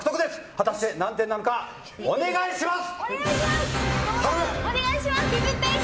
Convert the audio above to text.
果たして何点なのかお願いします！